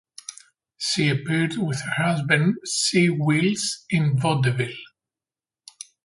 She appeared with her husband Si Wills in vaudeville.